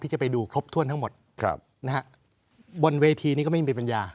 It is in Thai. จะไปดูครบถ้วนทั้งหมดครับนะฮะบนเวทีนี้ก็ไม่มีปัญญา